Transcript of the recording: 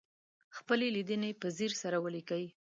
خپلې لیدنې په ځیر سره ولیکئ.